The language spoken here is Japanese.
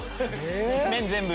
麺全部。